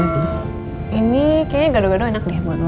ini kayaknya gado gado enak deh buat lo